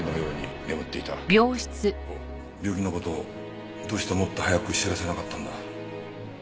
病気の事どうしてもっと早く知らせなかったんだ？